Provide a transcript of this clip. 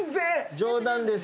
冗談です。